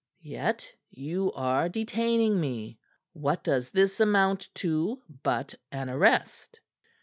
"Yet you are detaining me. What does this amount to but an arrest?"